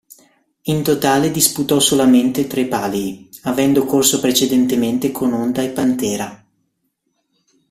In totale disputò solamente tre Palii, avendo corso precedentemente con Onda e Pantera.